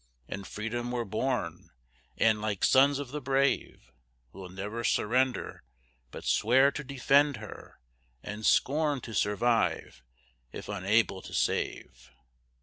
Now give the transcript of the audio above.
_In Freedom we're born, and, like Sons of the brave, Will never surrender, But swear to defend her, And scorn to survive, if unable to save.